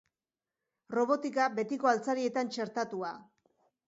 Robotika betiko altzarietan txertatua.